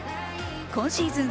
今シーズン